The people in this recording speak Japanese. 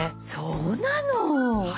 そうなの！